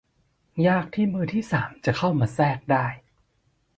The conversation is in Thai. ยากที่มือที่สามจะเข้ามาแทรกได้